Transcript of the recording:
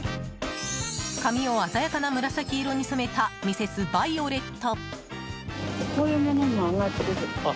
髪を鮮やかな紫色に染めたミセスバイオレット。